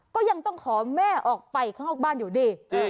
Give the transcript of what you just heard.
ก็ยังต้องขอแม่มาไปหลักบ้านอยู่ดี